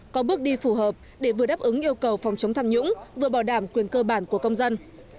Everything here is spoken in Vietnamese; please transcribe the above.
có bước đi phù hợp để vừa đáp ứng yêu cầu phòng chống tham nhũng vừa bảo đảm quyền cơ bản của công dân